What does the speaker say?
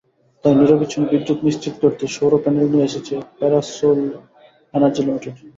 তাই নিরবচ্ছিন্ন বিদ্যুৎ নিশ্চিত করতে সৌর প্যানেল নিয়ে এসেছে প্যারাসোল এনার্জি লিমিটেড।